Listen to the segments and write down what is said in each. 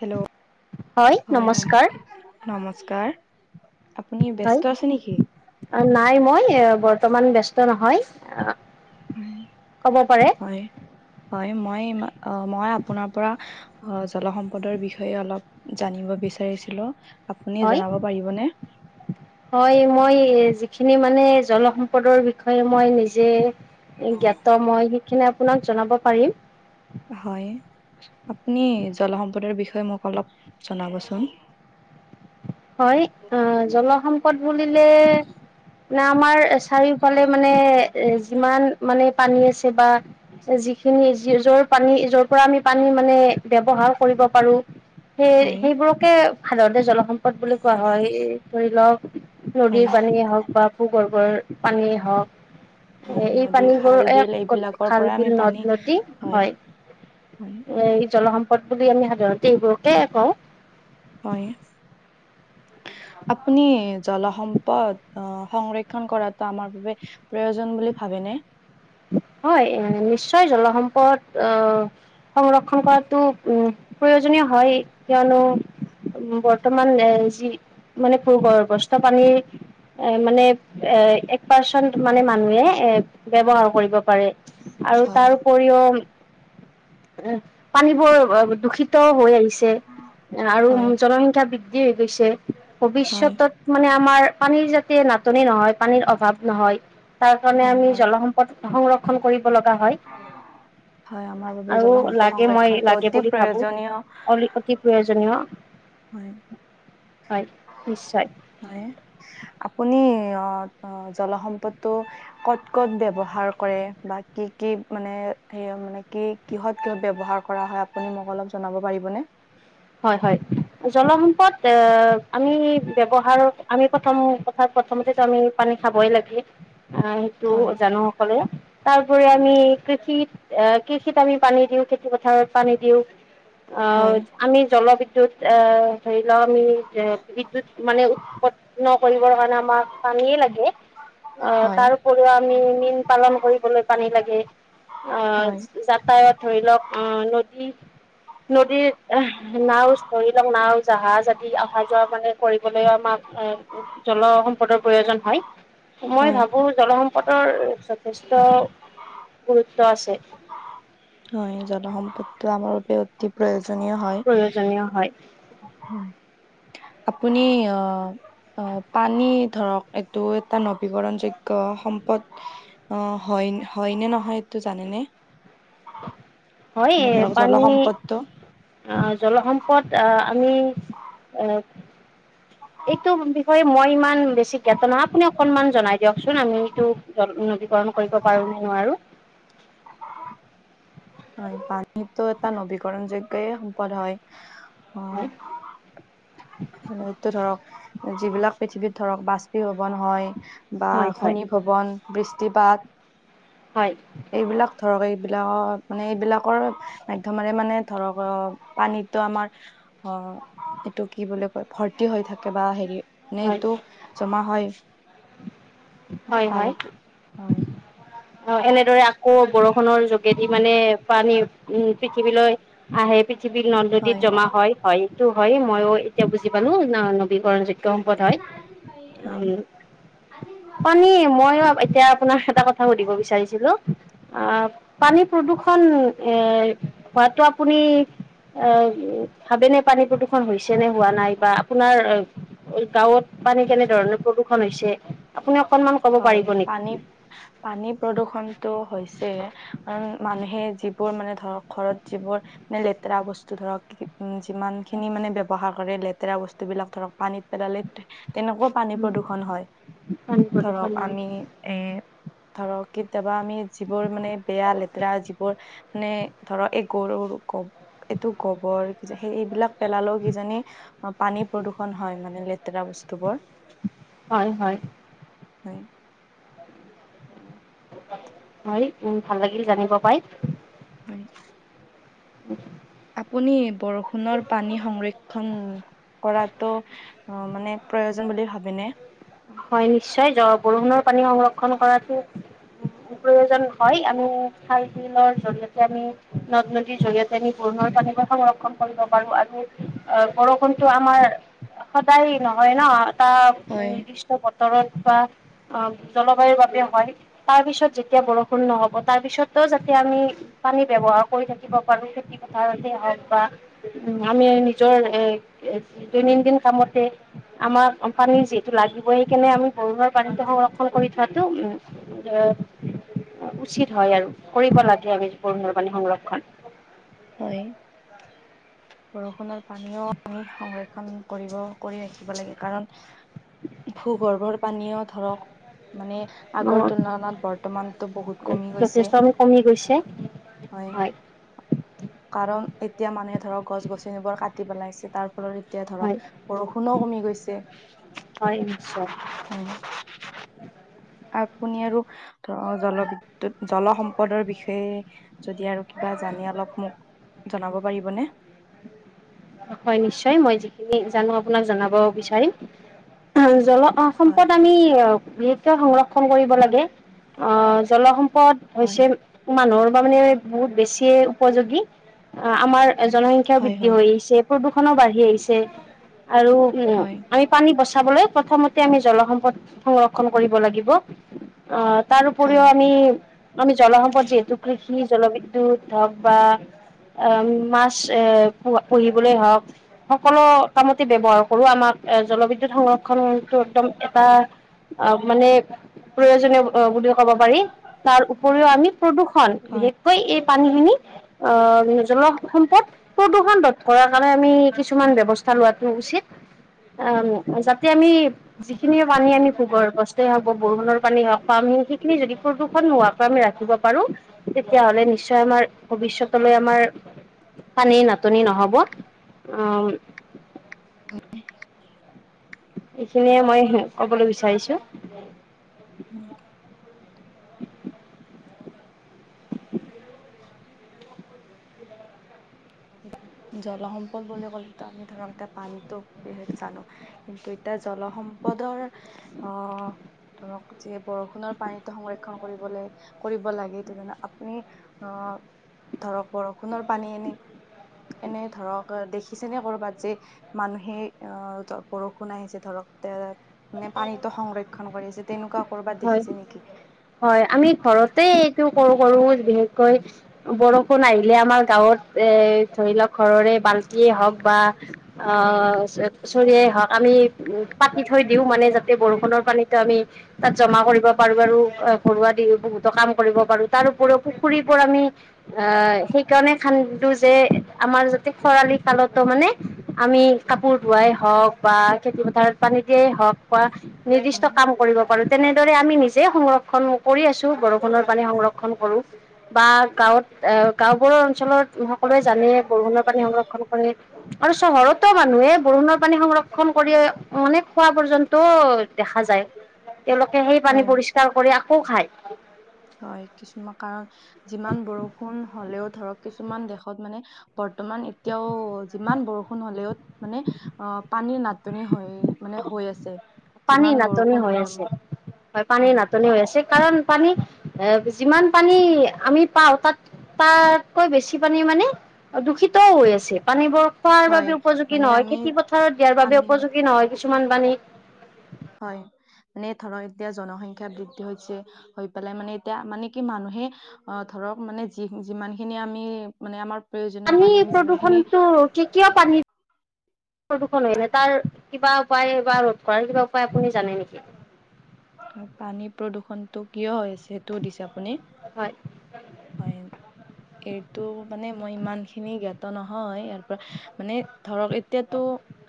Hello হয় হয-হয়। নমস্কাৰ নমস্কাৰ, আপুনি ব্যস্ত আছে নেকি? অ' নাই মই বৰ্তমান ব্যস্ত নহয়। আঁহ', হয়-হয়, মই-ই মই আপোনাৰ পৰা- অ' জলসম্পদৰ বিষয়ে অলপ জানিব বিচাৰিছিলো, আপুনি হয় জনাব পাৰিবনে? হয়, মই যিখিনি মানে জলসম্পদৰ বিষয়ে মই নিজে- জ্ঞাত মই সেইখিনি আপোনাক জনাব পাৰিম। হয়, আপুনি জলসম্পদৰ বিষয়ে মোক অলপ জনাবচোন। হয়, আঁহ', - জলসম্পদ বুলিলে না আমাৰ- চাৰিওফালে মানে এ' যিমান মানে পানী আছে বা- যিখিনি য-যৰ পানী যৰ পৰা আমি পানী মানে ব্যৱহাৰ কৰিব পাৰো। সেই হয় সেইবোৰকে ভালতে জলসম্প বুলি কোৱা হয় ধৰি লওক হয় নদীৰ পানীয়ে হওঁক বা ভূগৰ্ভৰ পানীয়ে হওঁক হয় এ এই নদী পানী খাল বোৰো বিল এক এইবিলাকৰ খাল পৰা বিল আমি পানী নদ নদী হয়। হয় এই জলসম্পদ বুলি আমি সাধাৰণতে এইবোৰকে কওঁ হয়। আপুনি জলসম্পদ অ' সংৰক্ষণ কৰাটো আমাৰ বাবে প্ৰয়োজন বুলি ভাবেনে? হয় নিশ্চয় জলসম্পদ আহ সংৰক্ষণ কৰাটো উম প্ৰয়োজনীয় হয় কিয়নো উম বৰ্তমান এ যি মানে [unintelligible] পানীৰ এ মানে এ এক পাৰ্চেন্ট মানে মানুহে এ ব্যৱহাৰ কৰিব পাৰে আৰু হয় তাৰ উপৰিও পানীবোৰ দূষিত হৈ আহিছে আৰু হয় জনসংখ্যা বৃদ্ধি হৈ গৈছে হয় ভৱিষ্যতত মানে আমাৰ পানীৰ যাতে নাটনি নহয় পানীৰ অভাৱ নহয় তাৰ কাৰণে হয় আমি হয়। জলসম সংৰক্ষণ কৰিব লগা হয়। হয় আমাৰ বাবে আৰু জল সম্পদ লাগে মই সংৰক্ষণটো লাগে অতি বুলি ভাবো। প্ৰয়োজনীয়। অ' অতি প্ৰয়োজনীয়। হয়, হয় নিশ্চয় হয়। আপুনি অ', অ' জলসম্পদটো। ক'ত ক'ত ব্যৱহাৰ কৰে বা কি কি মানে সেয়া মানে কি কিহত কিহত ব্যৱহাৰ কৰা হয়, আপুনি মোক অলপ জনাব পাৰিবনে। হয়, হয়, জলসম্পদ অহ, আমি ব্যৱহাৰ আমি প্ৰথম ত' প্ৰথমতেটো আমি পানী খাবই লাগে অ' সেইটো হয় জানো। [unintelligible] তাৰ উপৰি আমি কৃষি কৃষিত আমি পানী দিওঁ, খেতি পথাৰত পানী দিওঁ হয় অহ আমি জলবিদ্যুৎ এ ধৰি লওক আমি বিদ্যুৎ মানে উৎপত নকৰিবৰ কাৰণে আমাক পানীয়ে লাগে। আহ, হয় তাৰ উপৰিও আমি মীন পালন কৰিবলৈও পানী লাগে। আহ, হয় যাতায়ত ধৰি লওক উম। নদী, নদীৰ নাও ধৰি লওক নাও জাহাজ আদি অহা যোৱা মানে কৰিবলৈও আমাক জলসম্পদৰ প্ৰয়োজন হয়। মই হয় ভাবো জলসম্পদৰ যথেষ্ট গুৰুত্ব আছে। হয়, জনসম্পদটো আমাৰ বাবে অতি প্ৰয়োজনীয় হয়। প্ৰয়োজনীয় হয় আপুনি আহ অ', পানী ধৰক এইটো এটা নবীকৰণ যোগ্য সম্পদ। অ', হয়- হয় নে নহয় এইটো জানেনে? হয় মানে ধৰক পানী। জলসম্পদটো আহ, জলসম্পদ আহ আমি আহ' এইটো বিষয়ে। মই ইমান বেছি জ্ঞাত নহয়, আপুনি অকনমান জনাই দিয়কচোন আমি এইটো জল নৱীকৰণ কৰিব পাৰো নে নোৱাৰো। হয়, পানীতো এটা নবীকৰণ যোগ্যই সম্পদ হয় অ'। হয় এইটো ধৰক যিবিলাক পৃথিৱীত ধৰক বাষ্পীভৱন হয়, বা হয় হয় শন ভৱন, বৃষ্টিপাত। হয়। এইবিলাক ধৰক এইবিলাক অ', মানে এইবিলাকৰ মাধ্যমেৰে মানে ধৰক অ' পানীটো আমাৰ অ' এইটো কি বুলি ক' ভৰ্তি হৈ থাকে বা হেৰি নে হয় টো জমা হয়। হয়', হয়',। পানীটো হয় অ', এনেদৰে আকৌ বৰষুণৰ যোগেদি মানে পানী উম', পৃথিৱীলৈ। আহে পৃথিৱীৰ হয় নদ-নদীত জমা হয়', হয়', এইটো হয়', মইও এতিয়া বুজি পালো নবীকৰণ যো দংক তাত হয়', পানী মই এতিয়া আপোনাৰ এটা কথা সুধিব বিচাৰিছিলো। অ', পানী প্ৰদূৰষণ এ' হোৱাটো আপুনি। অ', ভাবেনে পানী প্ৰদূষণ হৈছে নে হোৱা নাই বা আপোনাৰ। গাঁৱত পানী কেনেধৰণে প্ৰদূষন হৈছে আপুনি অকনমান। ক'ব হয়', পাৰিব নেকি? পানী- পানী প্ৰদূৰ্ষণতটো হৈছে। কাৰণ মানুহে যিবোৰ মানে ধৰক ঘৰত যিবোৰ। নে লেতেৰা বস্তু ধৰক উম', যিমান খিনি মানে ব্যৱহাৰ কৰে লেতেৰা বস্তুবিলাক ধৰক পানীত। পদালিত তেনেকুৱাও পানী উম, প্ৰদূষণ হয়। হয়', প্ৰদূষণ ধৰক আমি এ'। ধৰক কেতিয়াবা আমি যিবোৰ মানে বেয়া লেতেৰা যিবোৰ মানে। ধৰ এই গৰুৰ গ- এইটো গোবৰ। সেই- সেইবিলাক পেলালেও কিজানি পানী প্ৰদূষণ হয় মানে লেতেৰা বস্তু বোৰ। হয়', হয়', হয়', হয়', উম', ভাল লাগিল জানিব পাই। হয়। আপুনি বৰষুণৰ পানী সংৰক্ষণ কৰাতো। অ মানে প্ৰয়োজন বুলি ভাবিনে। হয় নিশ্চয় বৰষুণৰ পানী সংৰক্ষণ কৰাটো। প্ৰয়োজন হয় আমি খাই বিলৰ জৰিয়তে আমি নদ -নদীৰ জৰিয়তে। পূণৰ পানীকৈ সংৰক্ষণ কৰিব পাৰো আৰু বৰষুণটো আমাৰ। সদায় নহয় ন এাৰ হয় নিৰ্দিষ্ট বতৰত বা। অ জলবায়ুৰ বাবে হয় তাৰ পিছত যেতিয়া বৰষুণ নহ'ব তাৰ পিছতো যাতে আমি। পানী ব্যৱহাৰ কৰি থাকিব পাৰো খেতি পথাৰতে হওঁক বা। উ আমি নিজৰ এ দৈনন্দ দিন কামতে। আমাৰ কোম্পানীৰ যিহেতু লাগি। ব কেনে আমি গৰুৰ পানীটো সংৰক্ষণ কৰি থোৱাতটো। উচিত হয় আৰু কৰিব লাগে আমি বৰণৰ পাণী সংৰক্ষণ। হয় বৰষুণৰ। পানীও আমি সংৰক্ষন কৰিব কৰি ৰাখিব লাগে কাৰণ সুগৰ্ভৰ। পানীয়ও ধৰক মানে। আগৰ তুলনাত বৰ্তমানতটো বহুত কমি গৈছে যথেষ্ট আমি কমি গৈছে হয়। হয় কাৰণ এতিয়া মানুহে ধৰক গছ গছনিবোৰ কাটি পেলাইছে তাৰ। ফলত এতিয়া হয় ধৰক বৰষুণো কমি গৈছে। হয় নিশ্চয় আপুনি আৰু ধৰ জলবিদ্যৎ জলসম্পদৰ বিষয়ে। যদি আৰু কিবা জানি অলপ মোক জনাব পাৰিবনে। হয় নিশ্চয় মই যিখিনি জানো আপোনাক জনাব বিচাৰিম জল। অ হয় সম্পদ আমি বিশেষকৈ সংৰক্ষণ কৰিব লাগে অ জলসম্পদ। হৈছে হয় মানুহৰ মানে বহুত বেছি উপযোগী আমাৰ। জনসংখ্যয়াাও হয় বৃদ্ধি হয় হৈ আহিছে, প্ৰদূষণো বাঢ়ি আহিছে আৰু উম হয় আমি পানী বচাবলৈ প্ৰথমতে আমি জলসম্পদ সংৰক্ষন কৰিব লাগিব। অঁ তাৰ উপৰিও হয় আমি আমি জলসম্পদ যিহেতু কৃষি জলবিদ্যু ধৰক বা আ--ম মছ এপুৱা পুহিবলে হওক। সকলো কামতে ব্যৱহাৰ কৰো। আমাক জলবিদ্যুৎ সংৰ ক্ষণটো একদম এটা অ মানে প্ৰয়োজনীয় অ বুলি ক'ব পাৰি। তাৰ উপৰিও আমি প্ৰদূৰ্ষণ হয় বিশেষকৈ এই পানীখিনি অ জলসম্পদ প্ৰদূষণ কৰাৰ কাৰণে আমি কিছুমান ব্যৱস্থা লোৱাতো উচিত। আ উম যাতে আমি যিখিনিয়ে পানী আমি ভোগৰ বস্তুৱে হওব বা বৰষুণৰ পানী হওক আমি তুমি যদি প্ৰদূষণ নোলোৱাকে আমি ৰাখিব পাৰো। তেতিয়া হ'লে নিশ্চয় আমাৰ ভৱিষ্যতলৈ আমাৰ পানীৰ নাটনি নহ ব। অঁ এইখিনিয়ে মই হোঁ ক'বলৈ বিচাৰিছো। জলসম্পদ বুলি ক'লেটো আমি ধৰক এতিয়া পানীটো বিশেষ জানো। কিন্তু এতিয়া জলসম্পদৰ অঁ ধৰক যে বৰষুণৰ পানীটো সংৰক্ষণ কৰিবলে কৰিব লাগে তেনেকা। আপুনি অঁ ধৰক বৰষুণৰ পানী এনে এনে ধৰক দেখিছেনে ক'ৰবাত যে মানুহে অঁ বৰষুণ আহিছে ধৰক এ মানে পানীতো সংৰক্ষন কৰিছে। তেনেকুৱা কৰবাত হয় দেখিছে নেকি? ও কৰো কৰো বিশেষকৈ বৰষুণ আহিলে আমাৰ গাঁৱত এ ধৰি লওক ঘৰৰে বাল্টিয়ে হওক বা আ চৰিয়াই হওক আমি ও পাতি থৈ দিওঁ মানে যাতে বৰষুণৰ পানীতো আমি তাত জমা কৰিব পাৰো আৰু ঘৰুৱা দি বহুতো কাম কৰিব পাৰো। তাৰোপৰিও পুখুৰীৰ পৰা আমি অ সেইকাৰণে খান্দো যে আমাৰ যাতে খৰালি কালতো মানে আমি কাপোৰ ধোৱাই হওক বা খেতি পথাৰত পানী দিয়েই হওক বা নিৰ্দিষ্ট হয় কাম কৰিব কৰো। তেনেদৰে আমি নিজে সংৰক্ষণ কৰি আছো, বৰষুণৰ পানী সংৰক্ষণ কৰো। বা গাঁৱত এ গাঁওবোৰৰ অঞ্চলত সকলোৱে জানে বৰষুণৰ পানী সংৰক্ষণ কৰে। আৰু চহৰতো মানুহে বৰষুণৰ পানী সংৰক্ষণ কৰি অনেক খোৱা পৰ্যন্ত দেখা যায়। তেওঁলোকে সেই পানী হয়। পৰিষ্কাৰ কৰি আকৌ খায়। হয়। কিছুমান কাৰণ যিমান বৰষুণ হ'লেও ধৰক কিছুমান দেশত মানে বৰ্তমান এতিয়াও যিমান বৰষুণ হ'লেও মানে অঁ, পানীৰ নাটনি হৈ, মানে হৈ আছে। যিমান পানীৰ নাটনি বৰষুণ হৈ হলে আছে। মানে হয়, পানীৰ নাটনি হৈ আছে। কাৰণ পানী এ যিমান পানী আমি পাওঁ তাত তাতকৈ বেছি পানী মানে দূষিতও হৈ আছে পানীবোৰ খোৱাৰ হয় বাবে উপযোগী মানে নহয়, আমি খেতি পথাৰত দিয়াৰ বাবে আমি উপযোগী নহয় কিছুমান পানী। হয়, মানে ধৰক এতিয়া জনসংখ্যা বৃদ্ধি হৈছে। হৈ পেলাই মানে এতিয়া মানে কি মানুহে অ ধৰক মানে যি যিমানখিনি আমি মানে, আমাৰ প্ৰয়োজনীয় পানী আমি যিমানখিনি কি কিয় পানীৰ প্ৰদূষণ হৈছে তাৰ কিবা উপায় বা ৰোধ কৰাৰ কিবা উপায় আপুনি জানে নেকি? পানী প্ৰদূষণটো কিয় হৈছে সেইটো সুধিছে আপুনি? হয় হয় এইটো মানে মই ইমানখিনি জ্ঞাত নহয় ইয়াৰ পৰা মানে ধৰক এতিয়াতো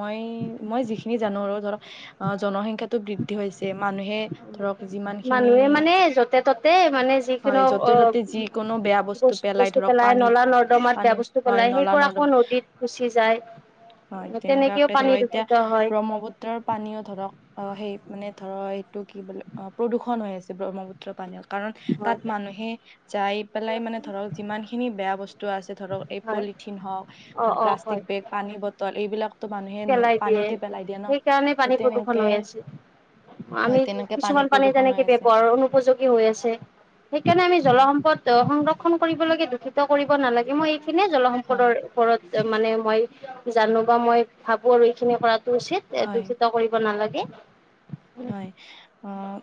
মই-মই যিখি খিনি জানো আৰু ধৰক অঁ জনসংখ্যাটো বৃদ্ধি হৈছে মানুহে ধৰক যিমানখিনি মানুহে মানে য'তে ত'তে মানে হয় যিকোনো যতে অ ত'তে যিকোনো বেয়া বস্তু পেলাই ধৰক নলা নৰ্দমাত বেয়া পানীত-পানীত বস্তু হয় পেলাই সেইবোৰ আকৌ নলা-নৰ্দমা নদীত গুচি যায় হয় তেনেকেও তেনেকুৱাকে পানী ধৰক এতিয়া দূষিত হয় ব্ৰহ্মপুত্ৰৰ পানীও ধৰক অঁ সেই মানে ধৰ এইটো কি বোলে অ প্ৰদূষণ হৈ আছে। ব্ৰহ্মপুত্ৰ পানীয়ত কাৰণ হয় তাত মানুহে যাই পেলাই মানে ধৰক যিমানখিনি বেয়া বস্তু আছে ধৰক এই পলিথিন হওক মানে অ‍ঁ-অঁ-অঁ! হয়। প্লাষ্টিক বেগ পানী বটল এইবিলাকতো মানুহে পেলাই দিয়ে পানীতে পেলাই দিয়ে ন সেইকাৰণে ত পানী প্ৰদূষণ তেনেকে। হৈ আছে হয় আমি তেনেকে কিছুমান পানী প্ৰদূষণ হৈ যেনেকে আছে ব্যৱহাৰ অনুপযোগী হৈ আছে। সেইকাৰণে আমি হয় জলসম্পদ সংৰক্ষন কৰিব লাগে, দূষিত কৰিব নালাগে মই এইখিনিয়ে হয় জলসম্পদৰ ওপৰত মানে মই জানো বা মই ভাবো আৰু এইখিনি কৰাটো উচিত হয় দূষিত কৰি কৰিব নালাগে। হয়। অঁ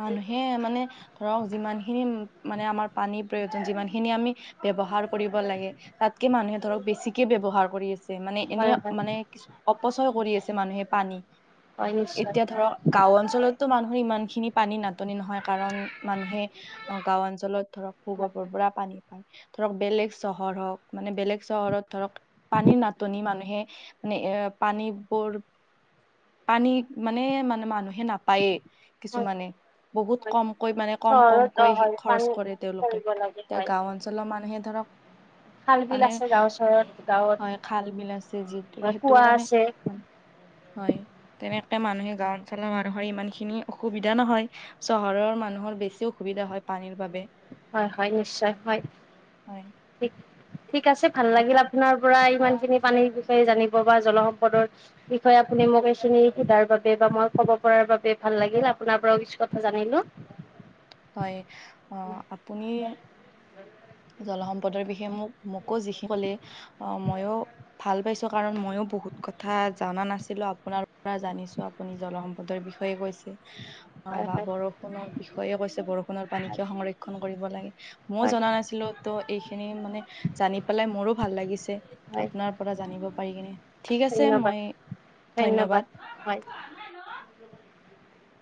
মানুহে মানে ধৰক যিমানখিনি মানে আমাৰ পানীৰ প্ৰয়োজন যিমানখিনি আমি ব্যৱহাৰ কৰিব লাগে তাতকে মানুহে ধৰক বেছিকে ব্যৱহাৰ কৰি আছ আছে। মানে হয় এনেই হয় মানে কি অপচয় কৰি আছে মানুহে পানী। হয় নিশ্চয়। এতিয়া ধৰক গাঁও অঞ্চলতো মানুহৰ ইমানখিনি পানী নাটনি নহয় কাৰণ মানুহে অঁ! গাঁও অঞ্চলত ধৰক ভূ-গৰ্ভৰ পৰা পানী পায়। ধৰক বেলেগ চহৰ হওঁক মানে বেলেগ চহৰত ধৰক পানীৰ নাটনি মানুহে মানে এ পানীবোৰ পানী মানে-মানে মানুহে নাপায়েই। হয় হয় কিছুমানে বহুত হয় কমকৈ মানে কম-কম চহৰত অ কৈ হয় খৰচ পানী কৰে তেওঁলোকে। কৰিব লাগে এতিয়া হয় গাওঁ অঞ্চলৰ মানুহে ধৰক খাল বিল মানে আছে গাঁও চহৰত গাঁৱত হয় খাল, বিল আছে যিহেতু সেইটোৰ কুঁৱা কাৰণে আছে হয়। তেনেকে মানুহে গাওঁ অঞ্চলৰ মানুহৰ ইমানখিনি অসুবিধা নহয়। চহৰৰ মানুহৰ বেছি অসুবিধা হয় পানীৰ বাবে। হয়-হয়, নিশ্চয় হয়। হয় ঠিক আছে ভাল লাগিল আপ আপোনাৰ পৰা ইমানখিনি পানীৰ বিষয়ে জানিব বা জলসম্পদৰ বিষয়ে আপুনি মোক এইখিনি সোধাৰ বাবে বা মই ক'ব পৰাৰ বাবে ভাল লাগিল আপোনাৰ পৰাও কিছু কথা জানিলোঁ। হয় অঁ আপুনি জলসম্পদৰ বিষয়ে মোক মোকো যিখিনি ক'লে আহ মইও ভাল পাইছোঁ কাৰণ মইও বহুত কথা জানা নাছিলো আপোনাৰ পৰা জানিছোঁ। আপুনি জলসম্পদৰ বিষয়ে কৈছে। অঁ! হয় বা হয় বৰষুণৰ বিষয়ে কৈছে বৰষুণৰ পানী হয় কিয় সংৰক্ষন কৰিব লাগে। মইও হয় জনা নাছি [unintelligible] এইখিনি মানে জানি পেলাই মোৰো ভাল লাগিছে। হয় আপোনাৰ পৰা জানিব পাৰি কিনে। ঠিক আছে ধন্যবাদ মই ধন্যবাদ।